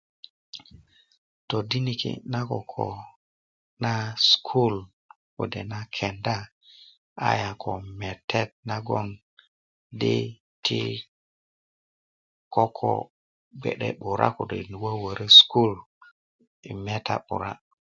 todiniki' na koko na skul kode na kenda aya ko metet nagon di ti koko gbe'de 'bura kode' wöwöro skul yi meta 'bura